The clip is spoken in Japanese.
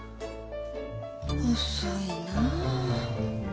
遅いなぁ。